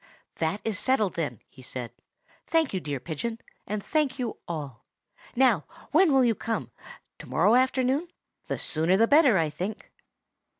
"That is settled, then," he said. "Thank you, dear pigeon, and thank you all. Now, when will you come? To morrow afternoon? The sooner the better, I think."